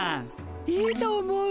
いいと思う！